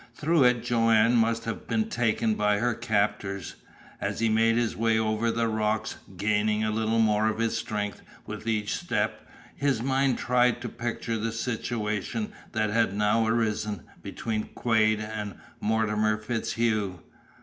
Through it Joanne must have been taken by her captors. As he made his way over the rocks, gaining a little more of his strength with each step, his mind tried to picture the situation that had now arisen between Quade and Mortimer FitzHugh.